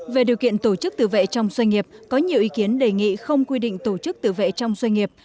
về điều kiện tổ chức tự vệ trong doanh nghiệp có nhiều ý kiến đề nghị không quy định tổ chức tự vệ trong doanh nghiệp